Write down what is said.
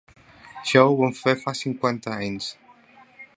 Això ho vam fer fa cinquanta anys.